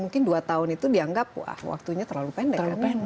mungkin dua tahun itu dianggap waktunya terlalu pendek